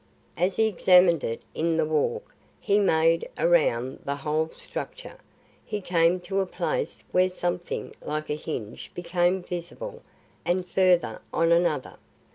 As he examined it in the walk he made around the whole structure, he came to a place where something like a hinge became visible and further on another.